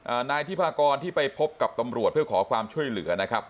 นายที่พากรที่ไปพบกับตำรวจเพื่อขอความช่วยเหลือนะครับ